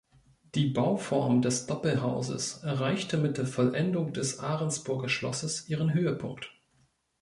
Die Bauform des Doppelhauses erreichte mit der Vollendung des Ahrensburger Schlosses ihren Höhepunkt.